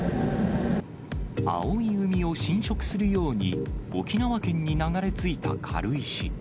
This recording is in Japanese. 青い海を侵食するように、沖縄県に流れ着いた軽石。